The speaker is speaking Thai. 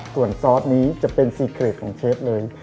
ส่วนซอสนี้จะเป็นซีเกรดของเชฟเลย